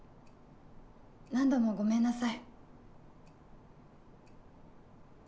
・何度もごめんなさい